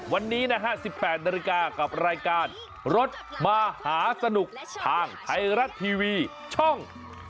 วันนี้นะฮะ๑๘นาฬิกากับรายการรถมหาสนุกทางไทยรัฐทีวีช่อง๓๒